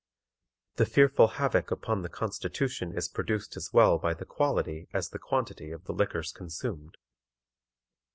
The fearful havoc upon the constitution is produced as well by the quality as the quantity of the liquors consumed.